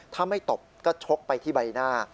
ถ้าไม่ตบก็ชกไปที่ใบหน้า